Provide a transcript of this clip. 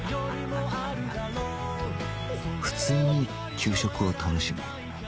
普通に給食を楽しむ